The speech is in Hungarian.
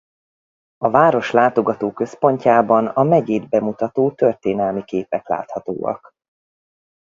A város látogatóközpontjában a megyét bemutató történelmi képek láthatóak.